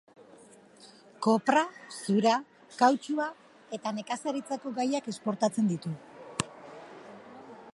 Kopra, zura, kautxua eta nekazaritzako gaiak esportatzen ditu.